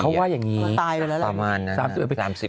เขาว่าอย่างนี้ประมาณ๓๐ปี